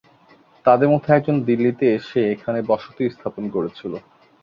তাদের মধ্যে একজন দিল্লিতে এসে এখানে বসতি স্থাপন করেছিল।